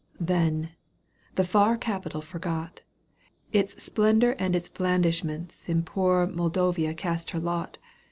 Then, the far capital forgot, Its splendour and its blandishments. In poor Moldavia cast her lot.